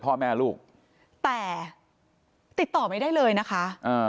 พ่อแม่ลูกแต่ติดต่อไม่ได้เลยนะคะอ่า